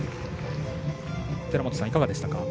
寺本さん、いかがでしたか？